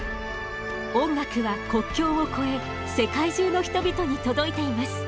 音楽は国境を越え世界中の人々に届いています。